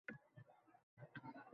Boʼronlarga toʼsh urar dadil